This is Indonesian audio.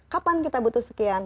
kapan kita butuh sekian